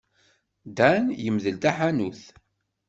Dan yemdel taḥanut.